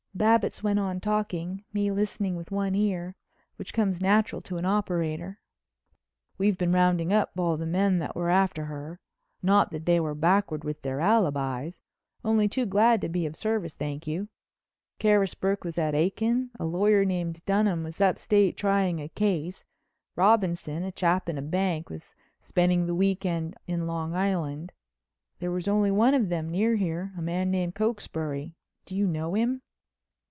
Babbitts went on talking, me listening with one ear—which comes natural to an operator. "We've been rounding up all the men that were after her—not that they were backward with their alibis—only too glad to be of service, thank you! Carisbrook was at Aiken, a lawyer named Dunham was up state trying a case; Robinson, a chap in a bank, was spending the week end on Long Island. There was only one of them near here—man named Cokesbury. Do you know him?"